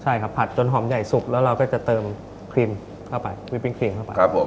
ใช่ครับผัดจนหอมใหญ่สุกแล้วเราก็จะเติมครีมเข้าไปครับผม